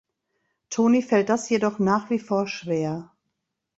Toni fällt das jedoch nach wie vor schwer.